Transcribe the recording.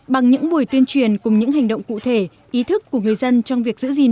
bằng những buổi tuyên truyền cùng những hành động cụ thể ý thức của người dân trong việc giữ gìn